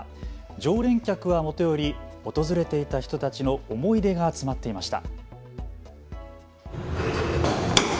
常連客はもとより訪れていた人たちの思い出が詰まっていました。